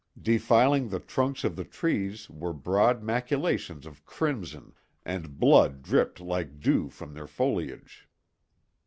Defiling the trunks of the trees were broad maculations of crimson, and blood dripped like dew from their foliage.